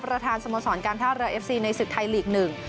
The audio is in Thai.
สโมสรการท่าเรือเอฟซีในศึกไทยลีกหนึ่ง